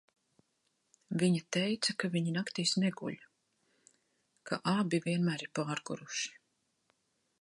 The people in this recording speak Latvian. Viņa teica, ka viņi naktīs neguļ, ka abi vienmēr ir pārguruši.